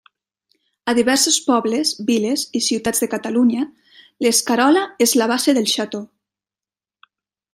A diversos pobles, viles i ciutats de Catalunya l'escarola és la base del Xató.